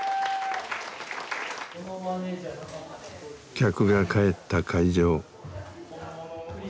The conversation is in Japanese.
客が帰った会場。